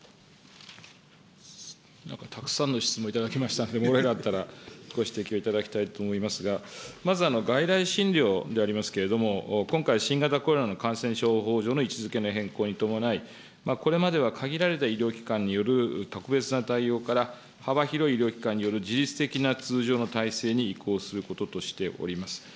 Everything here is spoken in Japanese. なんかたくさんの質問いただきましたが、漏れがあったらご指摘をいただきたいと思いますが、まず外来診療でありますけれども、今回、新型コロナの感染症法上の位置づけの変更に伴い、これまでは限られた医療機関による特別な対応から、幅広い医療機関による自律的な通常の体制に移行することとしております。